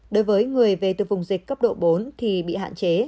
đối với người về từ vùng dịch cấp độ bốn thì bị hạn chế